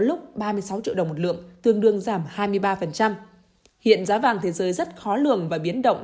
lúc ba mươi sáu triệu đồng một lượng tương đương giảm hai mươi ba hiện giá vàng thế giới rất khó lường và biến động